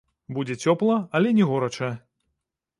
Будзе цёпла, але не горача.